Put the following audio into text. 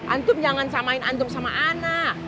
antum jangan samain antum sama anak